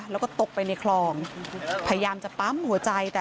แล้วก็ตกไปในคลองพยายามจะปั๊มหัวใจ